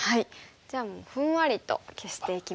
じゃあもうふんわりと消していきます。